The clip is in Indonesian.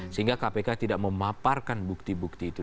sehingga kpk tidak memaparkan bukti bukti itu